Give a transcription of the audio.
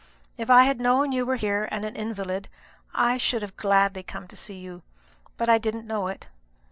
If I had known you were here and an invalid, I should have gladly come to see you; but I didn't know it.